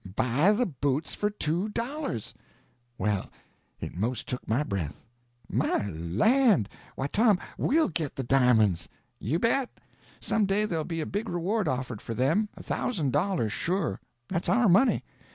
"Buy the boots for two dollars!" Well, it 'most took my breath. "My land! Why, Tom, we'll get the di'monds!" "You bet. Some day there'll be a big reward offered for them—a thousand dollars, sure. That's our money!